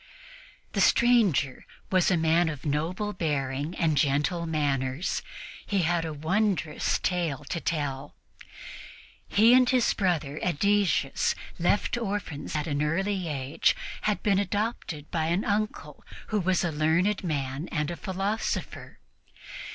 The stranger was a man of noble bearing and gentle manners. He had a wondrous tale to tell. He and his brother Ædesius, left orphans at an early age, had been adopted by an uncle who was a learned man and a philosopher.